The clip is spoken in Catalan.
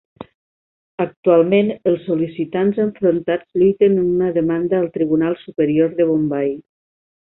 Actualment, els sol·licitants enfrontats lluiten en una demanda al Tribunal Superior de Bombai.